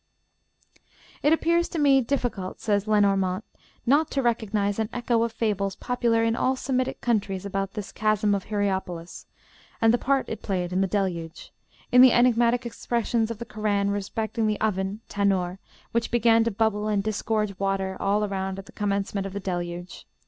"It appears to me difficult," says Lenormant, "not to recognize an echo of fables popular in all Semitic countries about this chasm of Hierapolis, and the part it played in the Deluge, in the enigmatic expressions of the Koran respecting the oven (tannur) which began to bubble and disgorge water all around at the commencement of the Deluge.